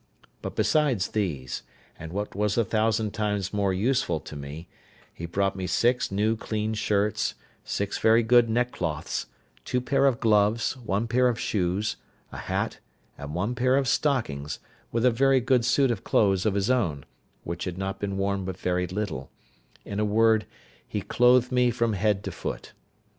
But besides these, and what was a thousand times more useful to me, he brought me six new clean shirts, six very good neckcloths, two pair of gloves, one pair of shoes, a hat, and one pair of stockings, with a very good suit of clothes of his own, which had been worn but very little: in a word, he clothed me from head to foot.